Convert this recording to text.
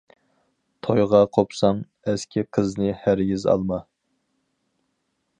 تويغا قوپساڭ، ئەسكى قىزنى ھەرگىز ئالما.